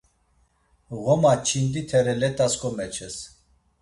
Ğoma çindi tere let̆as komeçes.